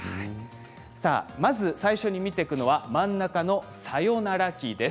まず最初に見ていくのは真ん中のサヨナラ期です。